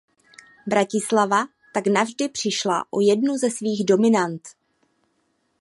Bratislava tak navždy přišla o jednu ze svých dominant.